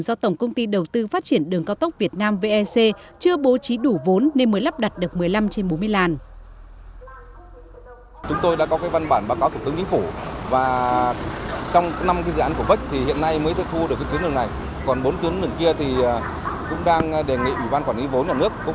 do tổng công ty đầu tư phát triển đường cao tốc việt nam vec chưa bố trí đủ vốn